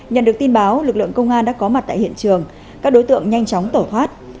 nhận được tin báo lực lượng công an đã có mặt tại hiện trường các đối tượng nhanh chóng tẩu thoát